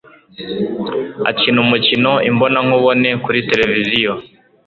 akina umukino imbonankubone kuri tereviziyo